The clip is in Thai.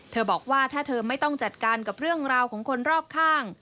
บอกว่าถ้าเธอไม่ต้องจัดการกับเรื่องราวของคนรอบข้าง